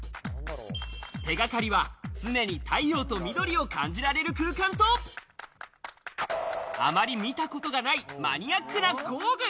手掛かりは、常に太陽と緑を感じられる空間と、あまり見たことがないマニアックな工具。